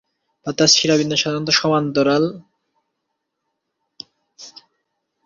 USSR থেকে সাহায্যের প্রথম প্রস্তাবটি এসেছিল বোম্বেতে ইউনেস্কোর মাধ্যমে একটি প্রতিষ্ঠান তৈরীতে সহযোগিতা করার জন্য।